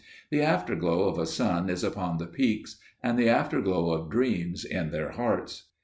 The afterglow of a sun is upon the peaks and the afterglow of dreams in their hearts.